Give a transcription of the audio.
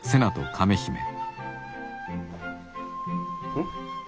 うん？